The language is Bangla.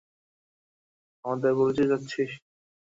আমাদের পরিচয় চাচ্ছিস?